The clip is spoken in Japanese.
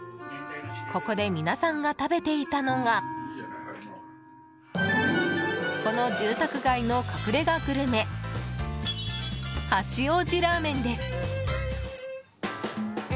ここで皆さんが食べていたのがこの住宅街の隠れ家グルメ八王子ラーメンです。